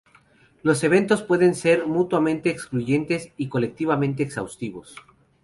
Los eventos pueden ser mutuamente excluyentes y colectivamente exhaustivos.